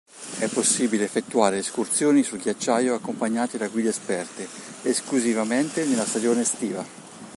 È possibile effettuare escursioni sul ghiacciaio accompagnati da guide esperte, esclusivamente nella stagione estiva.